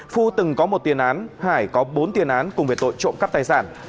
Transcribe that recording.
phu từng có một tiền án hải có bốn tiền án cùng về tội trộm cắp tài sản